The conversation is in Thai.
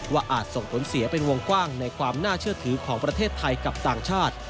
อาจส่งผลเสียเป็นวงกว้างในความน่าเชื่อถือของประเทศไทยกับต่างชาติ